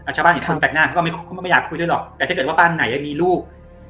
ชาวบ้านเห็นคนแปลกหน้าเขาก็ไม่อยากคุยด้วยหรอกแต่ถ้าเกิดว่าบ้านไหนมีลูก